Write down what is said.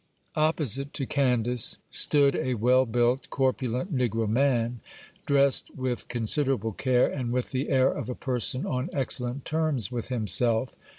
Opposite to Candace stood a well built, corpulent negro man, dressed with considerable care, and with the air of a person on excellent terms with himself.